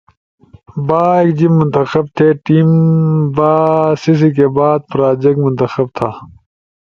با ایک جیِب منتخب تھے۔ ٹیم۔ با سیسی کے بعد پراجیکٹ منتخب تھا